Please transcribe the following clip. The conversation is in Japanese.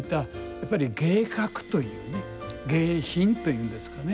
やっぱり「芸格」というね「芸品」というんですかね